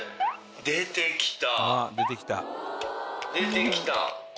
出てきた？